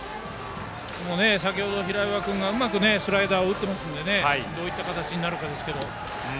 先程、平岩君がうまくスライダーを打っていますのでどういった形になるかですが。